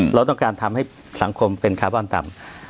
เราต้องการทำให้สังคมเป็นคาร์บอนต่ำ